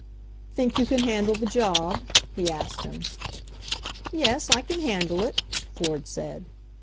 "Think you can handle the job?" he asked him. "Yes, I can handle it," Ford said.